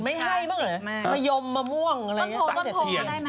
ไม่ให้บ้างเหรอเมยมมะม่วงอะไรอย่างนี้